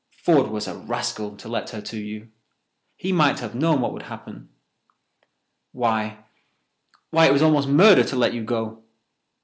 Ford was a rascal to let her to you. He might have known what would happen. Why—why—it was almost murder to let you go!"